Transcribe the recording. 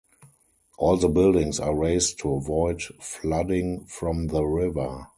All the buildings are raised to avoid flooding from the river.